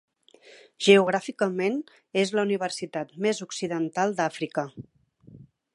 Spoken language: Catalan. Geogràficament és la universitat més occidental d'Àfrica.